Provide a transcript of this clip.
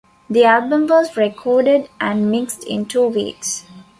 The album was recorded and mixed in two weeks.